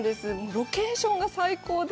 ロケーションが最高で。